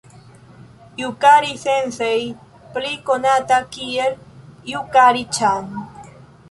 Jukari-sensej, pli konata kiel Jukari-ĉan.